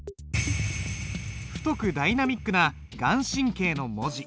太くダイナミックな顔真の文字。